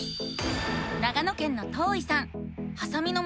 長野県のとういさん。